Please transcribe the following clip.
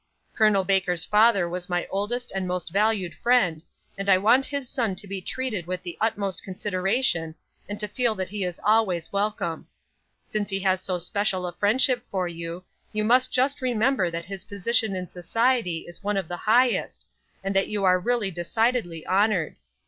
Col. Baker's father was my oldest and most valued friend, and I want his son to be treated with the utmost consideration, and to feel that he is always welcome. Since he has so special a friendship for you, you must just remember that his position in society is one of the highest, and that you are really decidedly honored.